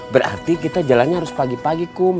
berarti kita jalannya harus pagi pagi kum